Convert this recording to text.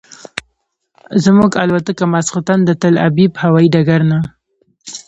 زموږ الوتکه ماسخوتن د تل ابیب هوایي ډګر نه.